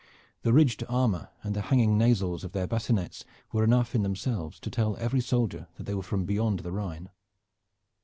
The ridged armor and the hanging nasals of their bassinets were enough in themselves to tell every soldier that they were from beyond the Rhine.